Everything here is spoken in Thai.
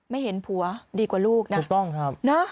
ไม่เห็นผัวดีกว่าลูกนะ